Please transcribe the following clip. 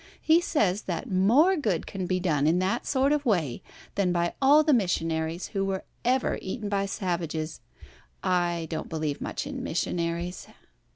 He says that more good can be done in that sort of way, than by all the missionaries who were ever eaten by savages. I don't believe much in missionaries."